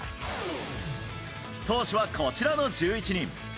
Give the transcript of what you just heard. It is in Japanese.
投手は、こちらの１１人。